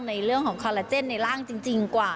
ในเรื่องของคาลาเจนในร่างจริงกว่า